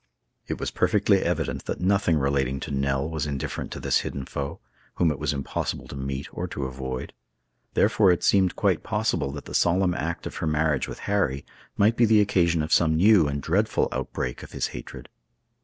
It was perfectly evident that nothing relating to Nell was indifferent to this hidden foe, whom it was impossible to meet or to avoid. Therefore it seemed quite possible that the solemn act of her marriage with Harry might be the occasion of some new and dreadful outbreak of his hatred.